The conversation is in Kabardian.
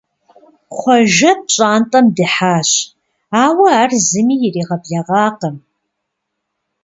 Хъуэжэ пщӀантӀэм дыхьащ, ауэ ар зыми иригъэблэгъакъым.